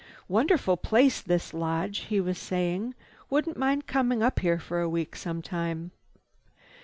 "Wonderful place, this lodge!" he was saying. "Wouldn't mind coming up here for a week sometime."